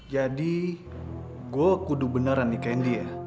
jadi gue kudu benaran nikahin dia